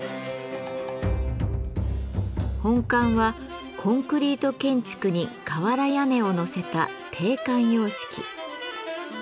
本館はコンクリート建築に瓦屋根を載せた「帝冠様式」。